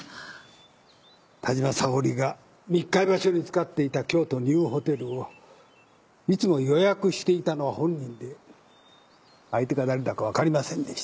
田島沙織が密会場所に使っていた京都ニューホテルをいつも予約していたのは本人で相手が誰だか分かりませんでした。